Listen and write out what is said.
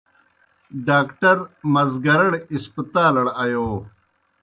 ڈاکٹر مزگرَڑ ہسپتالڑ آیو۔